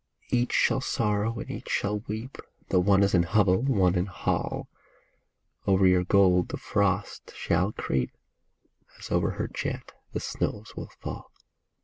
Each shall sorrow and each shall weep. Though one is in hovel, one in hall ; Over your gold the frost shall creep, As over her jet the snows will fall.